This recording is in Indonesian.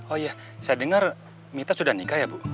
oh iya saya dengar mita sudah nikah ya bu